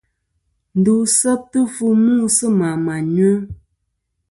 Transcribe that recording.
Ndu seftɨ fu mu sɨ mà mà nyu.